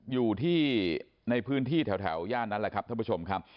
อยู่ที่ในพื้นที่แถวย่านนั้นแหละครับท่านผู้ชมครับ